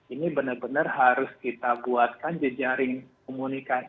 ini benar benar harus kita buatkan jejaring komunikasi